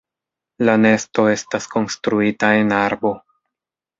La nesto estas konstruita en arbo.